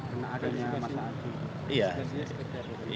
karena adanya masa aksi